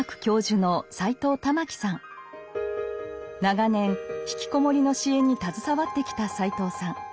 長年引きこもりの支援に携わってきた斎藤さん。